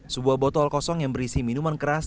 sebuah botol kosong yang berisi minuman keras